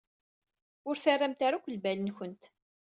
Ur terramt ara akk lbal-nkent.